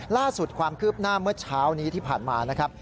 ล่าสุดความคืบหน้าเมื่อเช้านี้ที่ผ่านมานะครับ